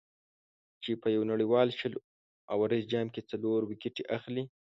چې په یو نړیوال شل اوریز جام کې څلور ویکټې اخلي.